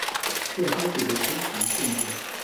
撤销铁路分局建制。